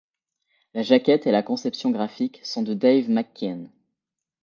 La jaquette et la conception graphique sont de Dave McKean.